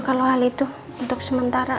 kalau hal itu untuk sementara